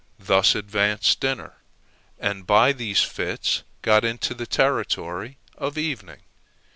Thus advanced dinner, and by these fits got into the territory of evening.